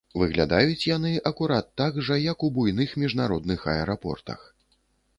Выглядаюць яны акурат так жа, як у буйных міжнародных аэрапортах.